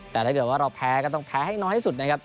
แต่ถ้าเกิดว่าเราแพ้ก็ต้องแพ้ให้น้อยที่สุดนะครับ